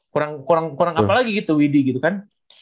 kurang kurang apalagi gitu widi gitu kan